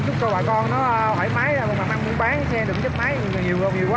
chúc cho bà con nó thoải mái ra mà không muốn bán xe đừng chết máy nhiều nhiều quá